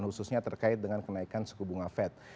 khususnya terkait dengan kenaikan suku bunga fed